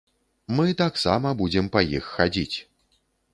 Мы таксама будзем па іх хадзіць!